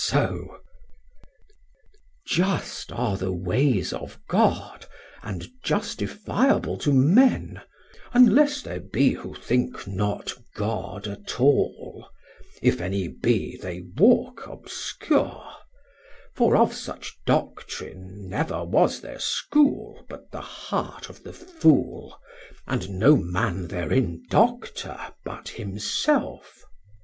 Chor: Just are the ways of God, And justifiable to Men; Unless there be who think not God at all, If any be, they walk obscure; For of such Doctrine never was there School, But the heart of the Fool, And no man therein Doctor but himself.